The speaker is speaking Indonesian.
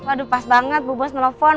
aduh pas banget bu bos nelfon